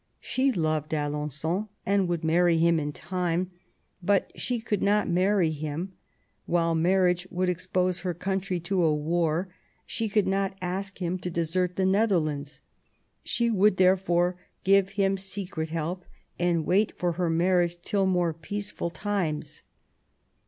She loved Alen9on and would marry him in time; but she could not marry him while marriage would expose her country to a war; she could not ask him to desert the Netherlands: she would, therefore, give him secret help, and wait for her marriage till more peaceful times.